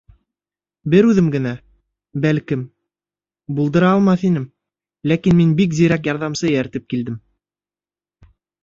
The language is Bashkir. — Бер үҙем генә, бәлкем, булдыра алмаҫ инем, ләкин мин бик зирәк ярҙамсы эйәртеп килдем.